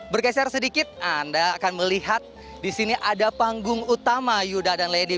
bergeser sedikit anda akan melihat di sini ada panggung utama yuda dan lady